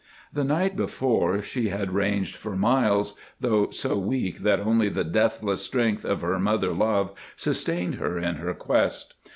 The night before she had ranged for miles, though so weak that only the deathless strength of her mother love sustained her in her quest.